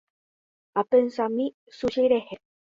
Apensahína sushi rehe.